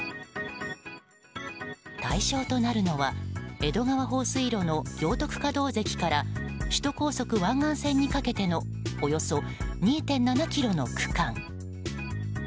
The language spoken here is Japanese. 対象となるのは江戸川放水路の行徳可動堰から首都高速湾岸線にかけてのおよそ２．７ｋｍの区間。